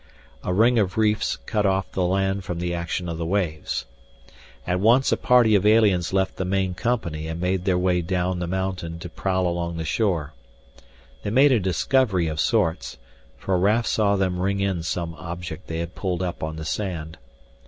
A ring of reefs cut off the land from the action of the waves. At once a party of aliens left the main company and made their way down the mountain to prowl along the shore. They made a discovery of sorts, for Raf saw them ring in some object they had pulled up on the sand.